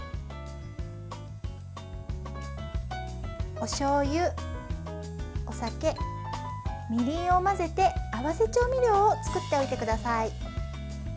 おしょうゆ、お酒みりんを混ぜて合わせ調味料を作っておいてください。